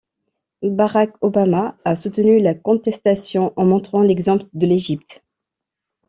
Barack Obama a soutenu la contestation en montrant l'exemple de l'Égypte.